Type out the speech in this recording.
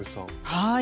はい。